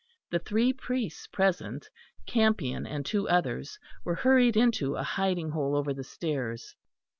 The three priests present, Campion and two others, were hurried into a hiding hole over the stairs.